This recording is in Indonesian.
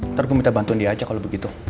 ntar gue minta bantuin dia aja kalo begitu